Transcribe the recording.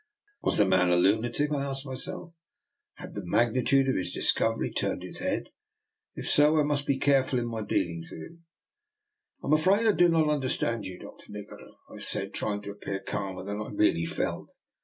Was the man a lunatic? I asked myself; had the magnitude of his dis covery turned his head? If so, I must be careful in my dealings with him. *' I am afraid I do not understand you, Dr. Nikola,'' I said, trying to appear calmer than I really felt.